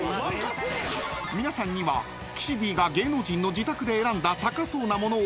［皆さんには岸Ｄが芸能人の自宅で選んだ高そうなものを］